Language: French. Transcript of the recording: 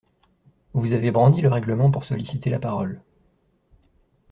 Vous avez brandi le règlement pour solliciter la parole.